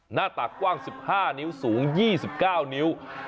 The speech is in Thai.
หน้าตักกว้าง๑๕นิ้วสูง๒๙นิ้ว